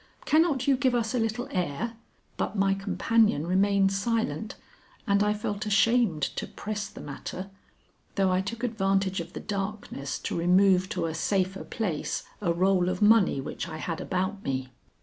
"Cannot you give us a little air?" But my companion remained silent, and I felt ashamed to press the matter though I took advantage of the darkness to remove to a safer place a roll of money which I had about me.